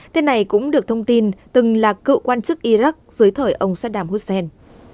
tên này cũng được thông tin từng là cựu quan chức iraq dưới thời ông saddam hussein